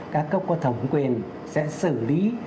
các cấp có thống quyền sẽ xử lý